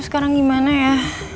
sekarang gimana ya